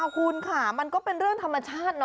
คุณค่ะมันก็เป็นเรื่องธรรมชาติ